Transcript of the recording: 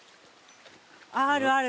あるある。